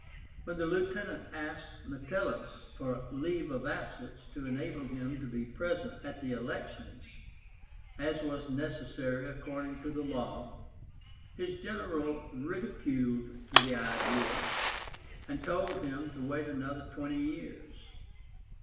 When the lieutenant asked Metellus for leave of absence to enable him to be present at the elections, as was necessary according to the law, his general ridiculed the idea, and told him to wait another twenty years.